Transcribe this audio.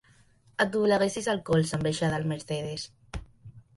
Et dobleguessis el colze en baixar del Mercedes.